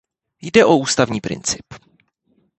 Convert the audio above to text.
Jde o ústavní princip.